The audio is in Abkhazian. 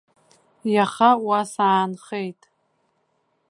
Иаха уа саанхеит.